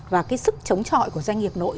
và cái sức chống trọi của doanh nghiệp nội